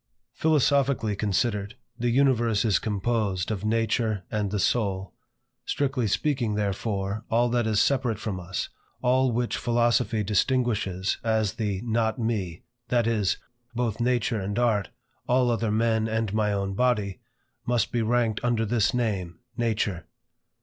Philosophically considered, the universe is composed of Nature and the Soul. Strictly speaking, therefore, all that is separate from us, all which Philosophy distinguishes as the NOT ME, that is, both nature and art, all other men and my own body, must be ranked under this name, NATURE.